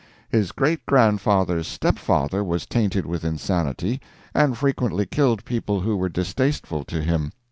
His great grandfather's stepfather was tainted with insanity, and frequently killed people who were distasteful to him.